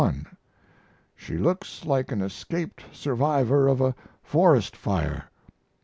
She looks like an escaped survivor of a forest fire.